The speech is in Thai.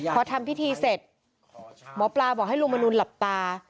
พอทำพิธีเสร็จหมอปลาบอกให้ลุงมนุนหลับตา